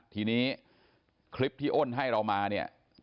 ทีนี้คลิปที่อ้นให้เรามาเนี่ย